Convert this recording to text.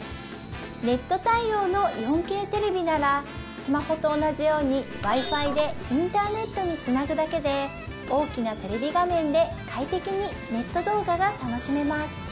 ネット対応の４Ｋテレビならスマホと同じようにＷｉ−Ｆｉでインターネットにつなぐだけで大きなテレビ画面で快適にネット動画が楽しめます